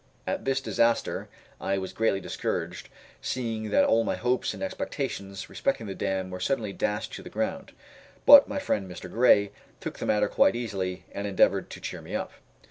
At this disaster I was greatly discouraged, seeing that all my hopes and expectations respecting the dam were suddenly dashed to the ground; but my friend Mr. Gray took the matter quite easily, and endeavored to cheer me up.